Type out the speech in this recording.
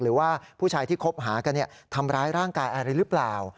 หรือว่าผู้ชายที่คบหากันทำร้ายร่างกายอะไรหรือเปล่า